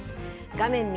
画面右。